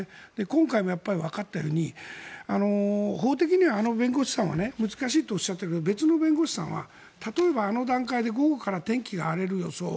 今回もわかったように法的には、あの弁護士さんは難しいとおっしゃっているけど別の弁護士さんは例えばあの段階で午後から天気が荒れる予想。